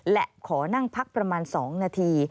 และขอนั่งพักประมาณ๒นาที